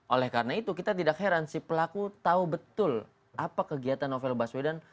oleh karena itu kita tidak heran si pelaku tahu betul apa kegiatan novel baswedan